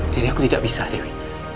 jadi aku tidak bisa dewi